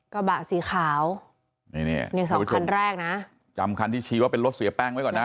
กระบะสีขาวนี่นี่สองคันแรกนะจำคันที่ชี้ว่าเป็นรถเสียแป้งไว้ก่อนนะ